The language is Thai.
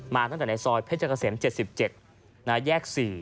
มาตั้งแต่ในซอยเพชรกระเสม๗๗แยก๔